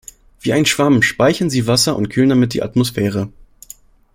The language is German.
Wie ein Schwamm speichern sie Wasser und kühlen damit die Atmosphäre.